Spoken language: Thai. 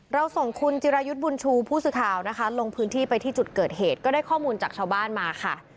เราส่งคุณจิรายุทธ์บุญชูผู้สื่อข่าวนะคะลงพื้นที่ไปที่จุดเกิดเหตุก็ได้ข้อมูลจากชาวบ้านมาค่ะ